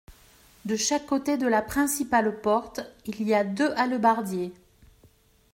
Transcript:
De chaque côté de la principale porte, il y a deux hallebardiers.